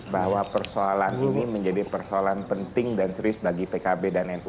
bahwa persoalan ini menjadi persoalan penting dan serius bagi pkb dan nu